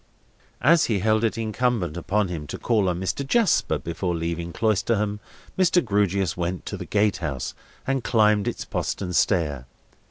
As he held it incumbent upon him to call on Mr. Jasper before leaving Cloisterham, Mr. Grewgious went to the gatehouse, and climbed its postern stair.